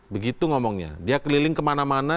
begitu ngomongnya dia keliling kemana mana